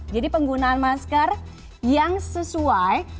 jadi penggunaan masker yang sesuai